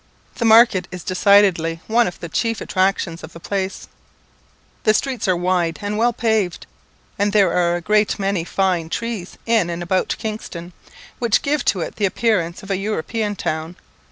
The market is decidedly one of the chief attractions of the place. The streets are wide and well paved, and there are a great many fine trees in and about Kingston, which give to it the appearance of a European town.